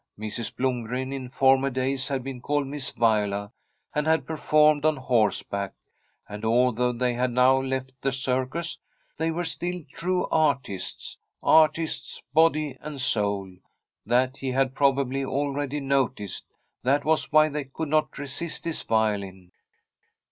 Mrs. Blomgren in former days had been called Miss Viola, and had performed on horseback; and although they had now left the circus, they were still true artists — ^artists body and soul. That he The STORY of a COUNTRY HOUSE had probably already noticed ; that was why they could not resist his violin.